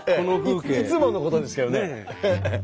いつものことですけどね。